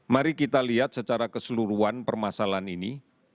mari kita lihat secara keseluruhan permasalahan ini